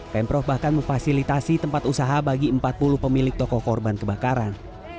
pemprov bahkan memfasilitasi tempat usaha bagi empat puluh pemilik toko korban kebakaran